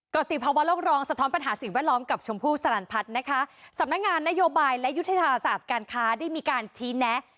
กรติภาวะโลกรองสะท้อนปัญหาสิ่งแวดล้อมกับชมพู่สลันพัฒน์นะคะสำนักงานนโยบายและยุทธศาสตร์การค้าได้มีการชี้แนะ